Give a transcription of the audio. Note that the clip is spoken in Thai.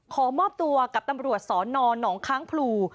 ขอมอบตัวกับตำรวจสนหนองค้างพลู